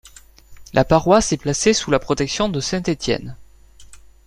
La paroisse est placée sous la protection de saint Étienne.